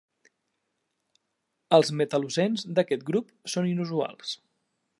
Els metal·locens d'aquest grup són inusuals.